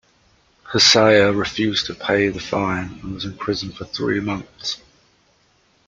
Hsieh refused to pay the fine and was imprisoned for three months.